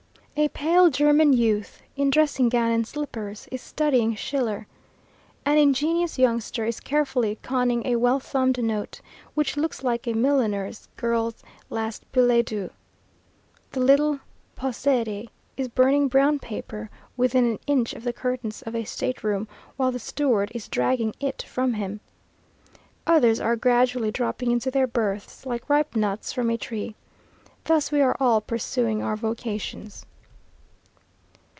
A pale German youth, in dressing gown and slippers, is studying Schiller. An ingenious youngster is carefully conning a well thumbed note, which looks like a milliner's girl's last billet doux. The little possédé is burning brown paper within an inch of the curtains of a state room, while the steward is dragging it from him. Others are gradually dropping into their berths, like ripe nuts from a tree. Thus are we all pursuing our vocations.